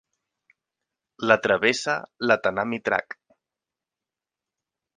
La travessa la Tanami Track.